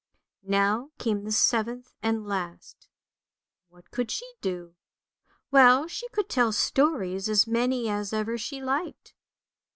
Now came the seventh and last, what could she do? Well she could tell stories as many as ever she liked.